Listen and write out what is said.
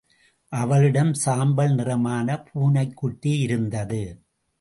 அவளிடம் சாம்பல் நிறமான பூனைக்குட்டி இருந்தது.